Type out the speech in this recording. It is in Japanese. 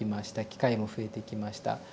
機会も増えてきました。